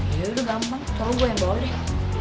iya iya gampang kalau gue yang bawa deh